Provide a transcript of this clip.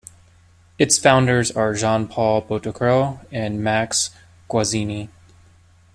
Its founders are Jean-Paul Baudecroux and Max Guazzini.